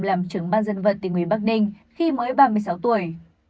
làm trưởng ban dân vật tỉnh nguyễn bắc ninh khi mới ba mươi sáu tuổi